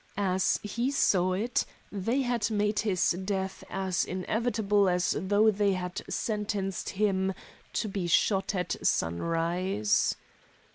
As he saw it, they had made his death as inevitable as though they had sentenced him to be shot at sunrise.